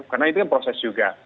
karena itu kan proses juga